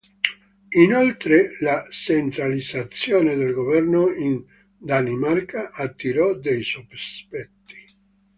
Inoltre, la centralizzazione del governo in Danimarca attirò dei sospetti.